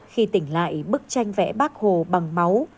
khi tỉnh lại bức tranh vẽ bác hồ bằng máu